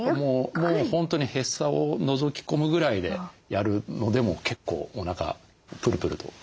もう本当にへそをのぞき込むぐらいでやるのでも結構おなかプルプルと来ると思います。